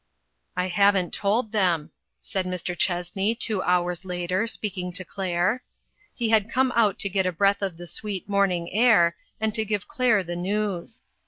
" I haven't told them," said Mr. Chessney, two hours later, speaking to Claire. He hud come out to get a breath of the sweet morning air, and to give Claire the news.